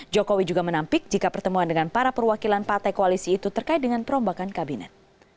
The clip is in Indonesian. jokowi juga menampik jika pertemuan dengan para perwakilan partai koalisi itu terkait dengan perombakan kabinet